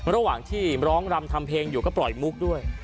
ระหว่างที่ร้องรำทำเพลงอยู่ก็ปล่อยมุกด้วย